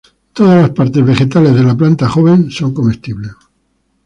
Todas las partes vegetales de la planta joven son comestibles.